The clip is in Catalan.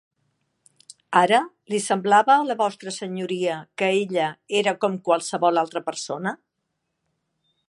Ara, li semblava a la vostra Senyoria que ella era com qualsevol altra persona?